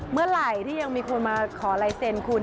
เมื่อไหร่ที่ยังมีคนมาขอลายเซ็นคุณ